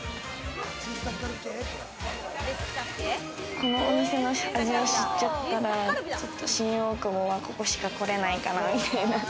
このお店の味を知っちゃったら、ちょっと新大久保はここしかこれないかなみたいな。